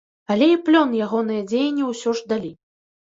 Але і плён ягоныя дзеянні ўсё ж далі.